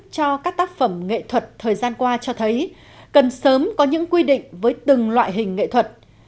cho các tác phẩm nghệ thuật thời gian qua cho thấy cần sớm có những quy định với từng loại hình nghệ thuật